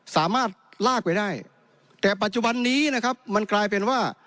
สามารถลากไปได้แต่ปัจจุบันนี้นะครับมันกลายเป็นว่า